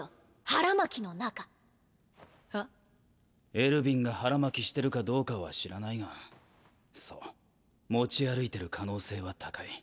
エルヴィンが腹巻きしてるかどうかは知らないがそう持ち歩いてる可能性は高い。